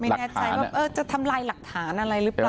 แน่ใจว่าจะทำลายหลักฐานอะไรหรือเปล่า